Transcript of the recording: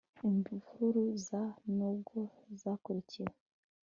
imvururu za - n'ubwo zakurikiwe